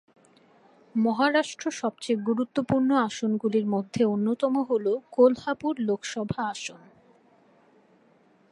মহারাষ্ট্র সবচেয়ে গুরুত্বপূর্ণ আসনগুলির মধ্যে অন্যতম হল কোলহাপুর লোকসভা আসন।